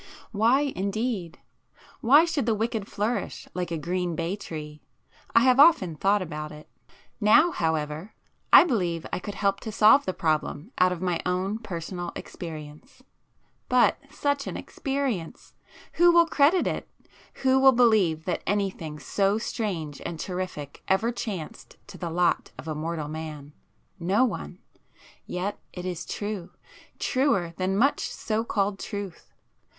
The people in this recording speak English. Why indeed! Why should the wicked flourish like a green bay tree? I have often thought about it. Now however I believe I could help to solve the problem out of my own personal experience. But ... such an experience! Who will credit it? Who will believe that anything so strange and terrific ever chanced to the lot of a mortal man? No one. Yet it is true;—truer than much so called truth.